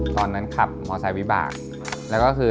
ตอนนั้นขับมอไซควิบากแล้วก็คือ